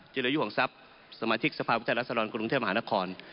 จิริยุห่องทรัพย์สมาธิกสภาพวิทยาลักษณะสลอนกรุงเทพมหานคร